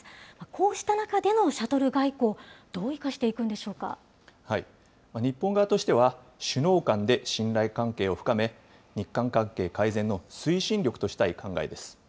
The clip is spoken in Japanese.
こうした中でのシャトル外交、日本側としては、首脳間で信頼関係を深め、日韓関係改善の推進力としたい考えです。